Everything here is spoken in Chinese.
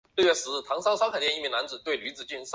氟西泮由于是苯二氮受体的部分激动剂而尤其独特。